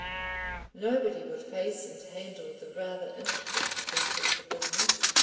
Nobody would face and handle the rather intricate truth of the business.